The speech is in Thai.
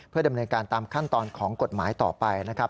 ดำเนินการตามขั้นตอนของกฎหมายต่อไปนะครับ